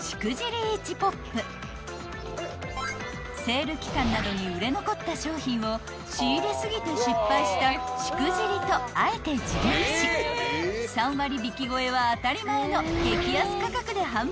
［セール期間などに売れ残った商品を仕入れ過ぎて失敗したしくじりとあえて自虐し３割引き超えは当たり前の激安価格で販売しているんです］